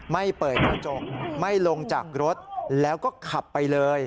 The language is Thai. ไม่เปิดกระจกไม่ลงจากรถแล้วก็ขับไปเลย